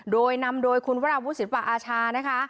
โดยนำโดยคุณวราวุศิลปะอาชานะคะ